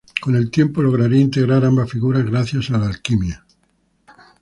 Con el tiempo lograría integrar ambas figuras gracias a la alquimia.